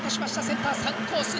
センター３コース